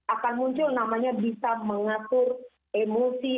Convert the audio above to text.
akan muncul namanya bisa mengatur emosi